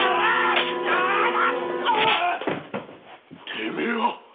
てめえは！？